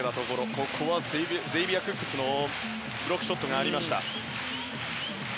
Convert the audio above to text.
ここはゼイビア・クックスのブロックショットがありました。